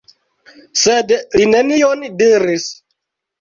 Sed li nenion diris.